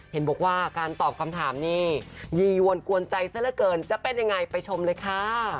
เห็นบอกว่าการตอบคำถามนี้ยียวนกวนใจซะละเกินจะเป็นยังไงไปชมเลยค่ะ